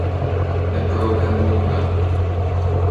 Na bróga móra